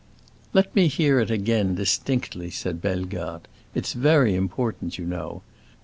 "Let me hear it again, distinctly," said Bellegarde. "It's very important, you know.